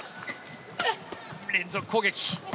連続攻撃。